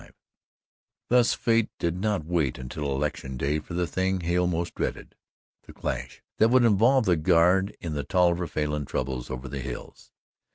XXV Thus Fate did not wait until Election Day for the thing Hale most dreaded a clash that would involve the guard in the Tolliver Falin troubles over the hills.